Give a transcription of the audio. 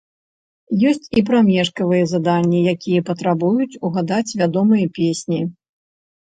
Ёсць і прамежкавыя заданні, якія патрабуюць угадаць вядомыя песні.